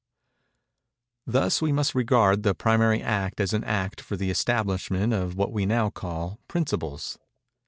Thus, we must regard the primary act as an act for the establishment of what we now call "principles."